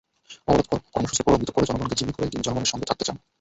অবরোধ কর্মসূচি প্রলম্বিত করে জনগণকে জিম্মি করেই তিনি জনগণের সঙ্গে থাকতে চান।